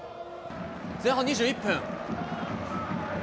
前半２１分。